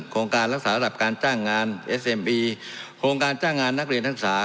โครงการรักษาระดับการจ้างงานเอสเอ็มบีโครงการจ้างงานนักเรียนนักศึกษา